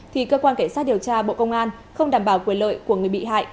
thì cơ quan cảnh sát điều tra bộ công an không đảm bảo quyền lợi của người bị hại